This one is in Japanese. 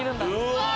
うわ！